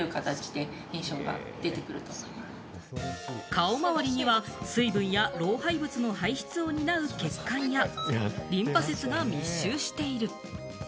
顔周りには水分や老廃物の排出を担う血管やリンパ節が密集している。